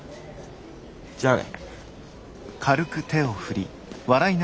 じゃあね。